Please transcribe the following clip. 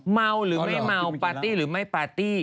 เมาหรือไม่เมาปาร์ตี้หรือไม่ปาร์ตี้